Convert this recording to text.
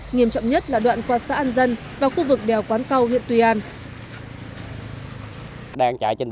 nghiêm trọng nhất là đoạn qua xã an dân và khu vực đèo quán câu huyện tuy an